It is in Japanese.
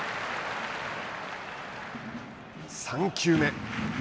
３球目。